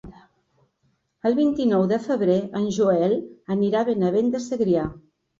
El vint-i-nou de febrer en Joel anirà a Benavent de Segrià.